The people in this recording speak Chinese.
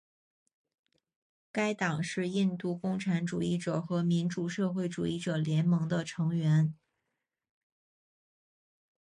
该党是印度共产主义者和民主社会主义者联盟的成员。